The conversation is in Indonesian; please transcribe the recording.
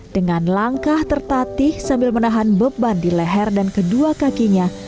dengan langkah tertatih sambil menahan beban di leher dan kedua kakinya